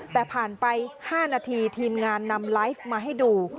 แต่ผ่านไป๕นาทีทีมงานนำไลฟ์มาให้ดู